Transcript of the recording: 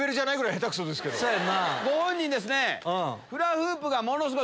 ご本人ですね。